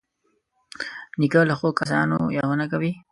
نیکه له ښو کسانو یادونه کوي.